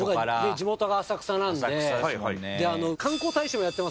地元が浅草なんで。